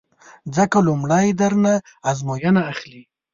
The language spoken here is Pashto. ځکه لومړی در نه ازموینه اخلي